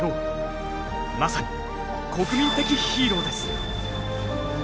まさに国民的ヒーローです。